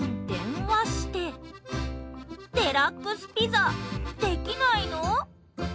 電話してデラックスピザできないの？